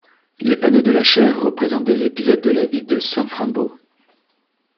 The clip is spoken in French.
Les panneaux de la chaire représentent des épisodes de la vie de saint Fraimbault.